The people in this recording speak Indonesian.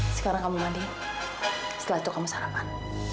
sekarang kamu mandi setelah itu kamu sarapan